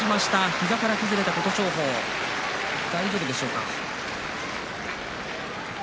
膝から崩れた琴勝峰、大丈夫でしょうか。